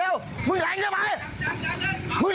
เอ้ามึงเก่งแล้วเหรอ